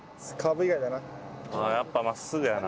やっぱ真っすぐやな。